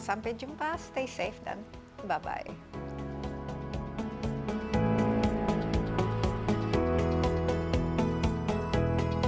sampai jumpa stay safe dan bye bye